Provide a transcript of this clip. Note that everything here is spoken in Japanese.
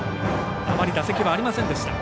あまり打席はありませんでした。